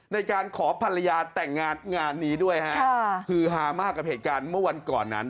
ในการขอภรรยาแต่งงานงานนี้ด้วยฮะฮือฮามากกับเหตุการณ์เมื่อวันก่อนนั้น